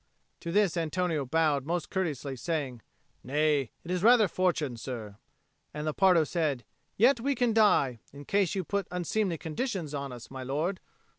To this Antonio bowed most courteously, saying, "Nay, it is rather fortune, sir." And Lepardo said, "Yet we can die, in case you put unseemly conditions on us, my lord."